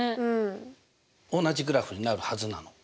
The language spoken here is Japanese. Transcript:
同じグラフになるはずなの。